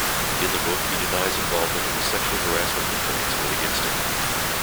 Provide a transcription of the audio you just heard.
In the book he denies involvement in the sexual harassment complaints made against him.